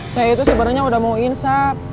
saya itu sebenarnya udah mau insaf